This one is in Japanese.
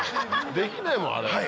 できないもんあれ。